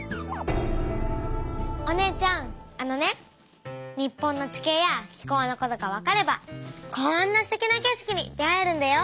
お姉ちゃんあのね日本の地形や気候のことがわかればこんなステキな景色に出会えるんだよ。